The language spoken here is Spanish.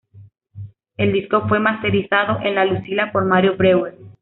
El disco fue masterizado en La Lucila por Mario Breuer.